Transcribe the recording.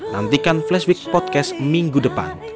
nantikan flashweek podcast minggu depan